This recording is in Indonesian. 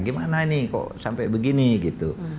gimana ini kok sampai begini gitu